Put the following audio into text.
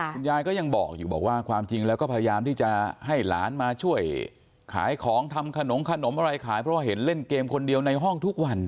คุณยายก็ยังบอกอยู่บอกว่าความจริงแล้วก็พยายามที่จะให้หลานมาช่วยขายของทำขนมขนมอะไรขายเพราะเห็นเล่นเกมคนเดียวในห้องทุกวัน